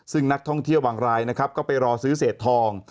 ซึ่งนักท่องเที่ยวบางรายนะครับก็ไปรอซื้อเศษทอง